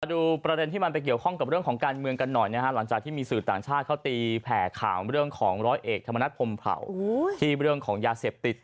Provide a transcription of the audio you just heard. ดูประเด็นที่มันไปเกี่ยวข้องกับเรื่องของการเมืองกันหน่อยนะฮะหลังจากที่มีสื่อต่างชาติเขาตีแผ่ข่าวเรื่องของร้อยเอกธรรมนัฐพรมเผาที่เรื่องของยาเสพติด